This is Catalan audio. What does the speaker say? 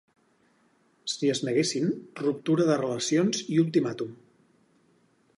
Si es neguessin, ruptura de relacions i ultimàtum.